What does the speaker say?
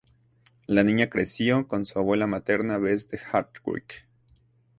La niña creció con su abuela materna Bess de Hardwick.